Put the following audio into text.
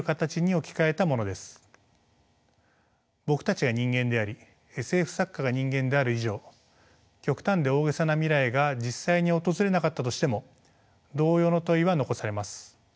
僕たちが人間でありＳＦ作家が人間である以上極端で大げさな未来が実際に訪れなかったとしても同様の問いは残されます。